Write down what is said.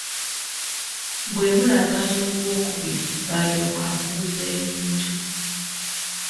Bwe mulagaana ogwokubiri ng'alyoka akuguza ebintu.